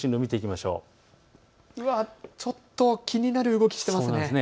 ちょっと気になる動きしてますね。